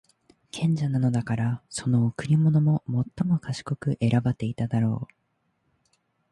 賢者なのだから、その贈り物も最も賢く選ばていただろう。